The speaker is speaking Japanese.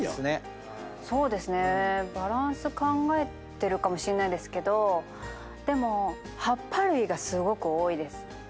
バランス考えてるかもしんないですけどでも葉っぱ類がすごく多いです。